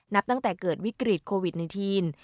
นับตั้งแต่เกิดวิกฤตโควิด๑๙